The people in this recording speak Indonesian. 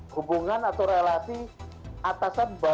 hubungan atau relasi atasan bahwa